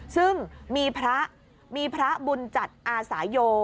ซึ่งมีพระมีพระบุญจัดอาสายโย